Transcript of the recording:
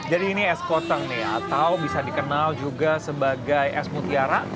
jadi ini es sekotong nih atau bisa dikenal juga sebagai es mutiara